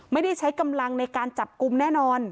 ไม่ได้ใช้กำลังในการจับกลุ่มแน่นอน